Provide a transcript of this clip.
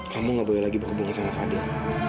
kamu gak boleh lagi berhubungan sama adik